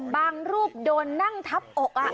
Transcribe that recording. บางรูปโดนนั่งทับอกอ่ะ